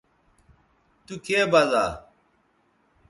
تو کے بزا